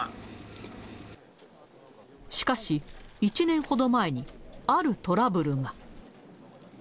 しかし、１年ほど前にあるトラブルが。